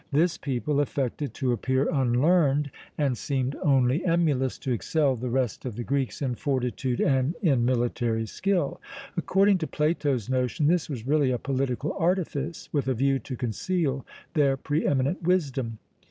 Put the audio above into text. This people affected to appear unlearned, and seemed only emulous to excel the rest of the Greeks in fortitude and in military skill. According to Plato's notion, this was really a political artifice, with a view to conceal their pre eminent wisdom.